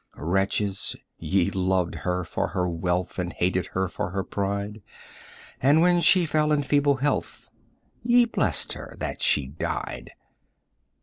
"Wretches, ye loved her for her wealth and hated her for her pride, And when she fell in feeble health, ye blessed her that she died!